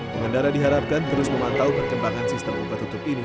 pengendara diharapkan terus memantau perkembangan sistem buka tutup ini